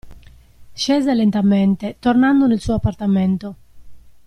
Scese lentamente, tornando nel suo appartamento.